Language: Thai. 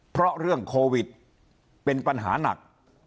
เพราะเรื่องโควิดเป็นปัญหาหนัก